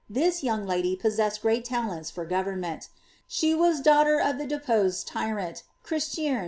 this young lady possessed great talents for government. She was daughter of the depose<l tyrant, Christiern II.